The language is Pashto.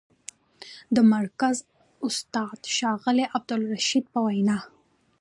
د مرکز استاد، ښاغلي عبدالخالق رشید په وینا: